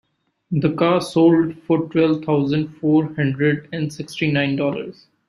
The car sold for twelve thousand four hundred and sixty nine dollars.